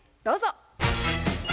どうぞ。